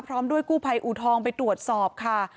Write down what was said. พร้อมด้วยกู้ภัยอูทองไปตรวจสอบค่ะ